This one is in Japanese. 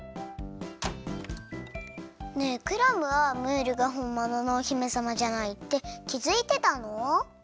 ねえクラムはムールがほんもののお姫さまじゃないってきづいてたの？